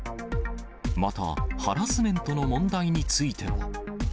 また、ハラスメントの問題については。